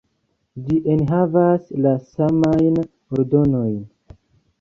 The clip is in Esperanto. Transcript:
Ĝi enhavas la samajn ordonojn.